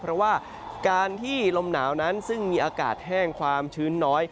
เพราะว่าการที่ลมหนาวนั้นซึ่งมีอากาศแห้งความชื้นน้อย